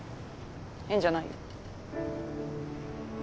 変じゃないよ。